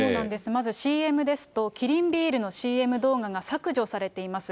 まずＣＭですと、キリンビールのＣＭ動画が削除されています。